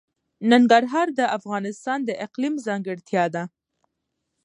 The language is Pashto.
ننګرهار د افغانستان د اقلیم ځانګړتیا ده.